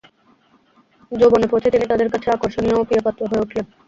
যৌবনে পৌঁছে তিনি তাদের কাছে আকর্ষণীয় ও প্রিয়পাত্র হয়ে উঠলেন।